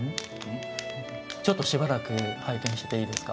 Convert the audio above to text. ちょっとしばらく拝見してていいですか。